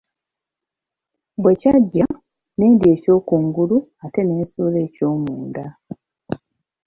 Bwe kyaggya, ne ndya eky’okungulu ate ne nsuula eky’omunda.